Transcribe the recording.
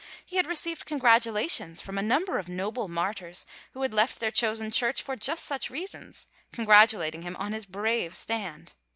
He had received congratulations from a number of noble martyrs who had left their chosen church for just such reasons, congratulating him on his brave stand.